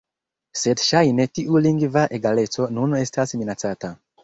Sed ŝajne tiu lingva egaleco nun estas minacata.